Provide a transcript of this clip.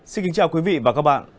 xin kính chào quý vị và các bạn